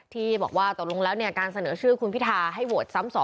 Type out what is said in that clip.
ที่บอกว่าตกลงแล้วการเสนอชื่อคุณพิทาให้โหวตซ้ำ๒